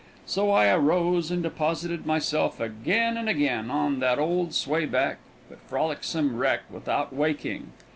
So I arose and deposited myself again and again on that old swayback but frolicsome wreck without waking.